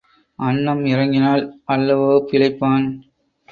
அன்னம் இறங்கினால் அல்லவோ பிழைப்பான்.